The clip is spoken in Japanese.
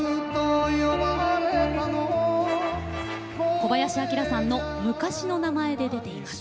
小林旭さんの「昔の名前で出ています」。